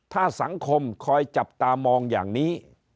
ถ้าสังคมคอยจับตามองอย่างนี้